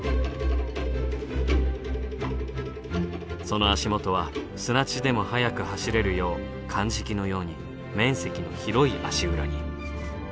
その足元は砂地でも速く走れるようかんじきのように面積の広い足裏に。